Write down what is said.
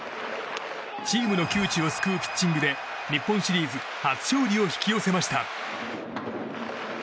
チームの窮地を救うピッチングで日本シリーズ初勝利を引き寄せました。